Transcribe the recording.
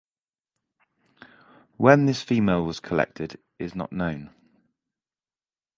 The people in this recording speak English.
When this female was collected is not known.